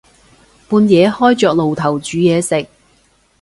半夜開着爐頭煮嘢食